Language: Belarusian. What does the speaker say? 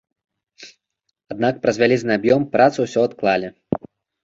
Аднак праз вялізны аб'ём працу ўсё адкладалі.